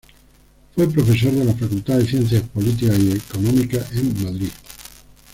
Fue profesor de la Facultad de Ciencias Políticas y Económicas en Madrid.